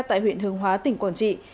tại huyện hương hóa tỉnh quảng trị